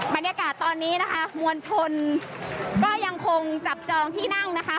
บรรยากาศตอนนี้นะคะมวลชนก็ยังคงจับจองที่นั่งนะคะ